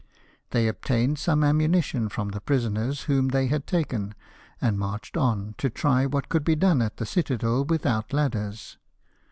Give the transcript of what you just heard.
They obtained some ammunition from the prisoners whom they had taken ; and marched on to try what could be done at the citadel without ladders.